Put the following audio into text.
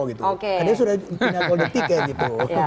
karena dia sudah punya golnya tiket